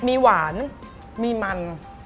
มีหวานมีมัน